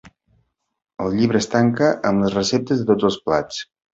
El llibre es tanca amb les receptes de tots els plats.